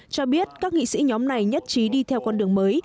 cho biết các nghị sĩ nhóm này nhất trí đi theo con đường mới